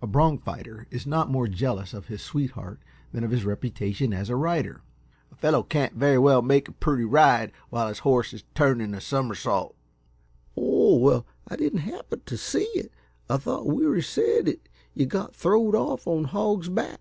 A "bronch fighter" is not more jealous of his sweetheart than of his reputation as a rider. "A fellow can't very well make a pretty ride while his horse is turning a somersault." "Oh, well, I didn't happen t' se it I thought Weary said 't yuh got throwed off on the Hog's Back.